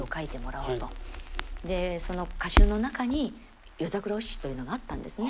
でその歌集の中に「夜桜お七」というのがあったんですね。